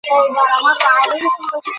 কেন, আনোনি কেন?